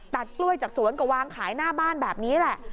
กล้วยจากสวนก็วางขายหน้าบ้านแบบนี้แหละ